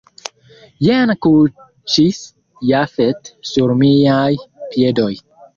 Jen kuŝis Jafet sur miaj piedoj.